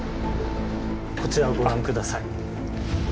こちらをご覧ください。